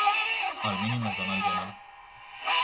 El mínim es dóna el gener.